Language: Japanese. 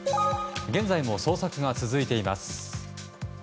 現在も捜索が続いています。